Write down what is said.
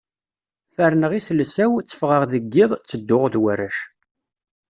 Ferrneɣ iselsa-w, tteffɣeɣ deg yiḍ, ttedduɣ d warrac.